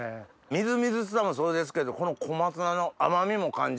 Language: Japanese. みずみずしさもそうですけどこの小松菜の甘みも感じるし。